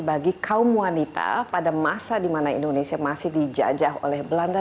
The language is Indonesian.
bagi kaum wanita pada masa di mana indonesia masih dijajah oleh belanda